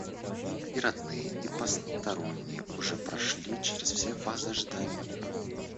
И родные и посторонние уже прошли чрез все фазы ожидания.